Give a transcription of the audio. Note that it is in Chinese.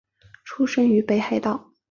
出身于北海道。